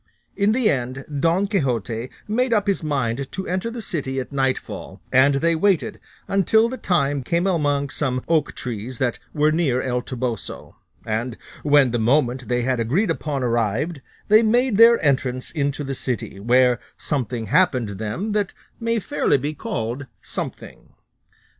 In the end, Don Quixote made up his mind to enter the city at nightfall, and they waited until the time came among some oak trees that were near El Toboso; and when the moment they had agreed upon arrived, they made their entrance into the city, where something happened them that may fairly be called something.